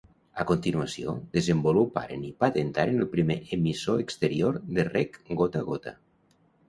A continuació, desenvoluparen i patentaren el primer emissor exterior de reg gota a gota.